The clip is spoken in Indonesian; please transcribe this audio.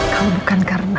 kalo bukan karena